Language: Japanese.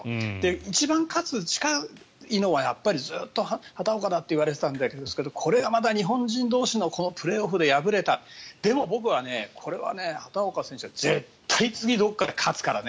一番勝つのに近いのは畑岡だとずっといわれてたんですけどこれはまた日本人同士のプレーオフで敗れたでも、僕はこれは畑岡選手は絶対次、どこかで勝つからね。